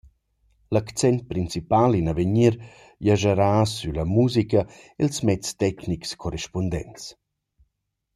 L’accent principal in avegnir giascharà sün la musica e’ls mezs tecnics correspundents.